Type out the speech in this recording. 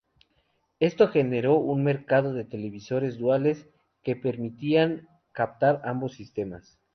Esto generó un mercado de televisores duales que permitían captar ambos sistemas.